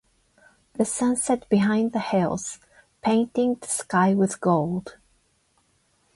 The sun set behind the hills, painting the sky with gold.